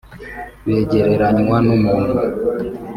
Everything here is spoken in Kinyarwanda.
Begereranywa n’umuntu